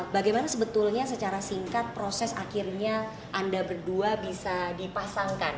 bagaimana sebetulnya secara singkat proses akhirnya anda berdua bisa dipasangkan